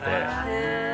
へえ